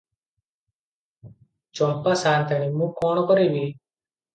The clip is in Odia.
ଚମ୍ପା ସାଆନ୍ତାଣୀ, ମୁଁ କଣ କରିବି ।